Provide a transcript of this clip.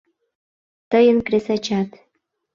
Тыйын кресачат.